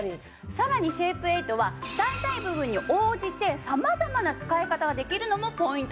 さらにシェイプエイトは使いたい部分に応じて様々な使い方ができるのもポイントなんです。